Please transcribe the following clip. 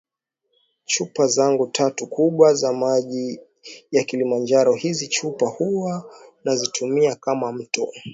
chupa zangu tatu kubwa za maji ya Kilimanjaro Hizi chupa huwa nazitumia kama mto